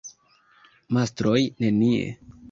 Mastroj nenie.